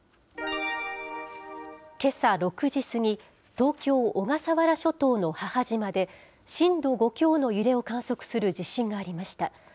けさ６時過ぎ、東京・小笠原諸島の母島で、震度５強の揺れを観測する地震がありました。